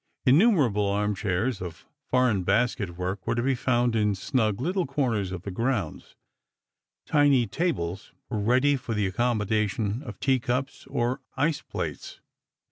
Innumerable arm chairs of foreign basket work were to be found in snug little corners of the grounds ; tiny tables were ready for the accommodation of teacups or ice plates.